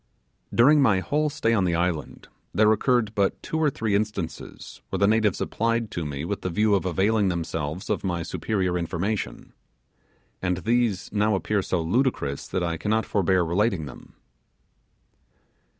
During my whole stay on the island there occurred but two or three instances where the natives applied to me with the view of availing themselves of my superior information; and these now appear so ludicrous that I cannot forbear relating them.